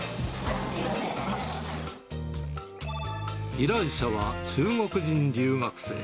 依頼者は中国人留学生。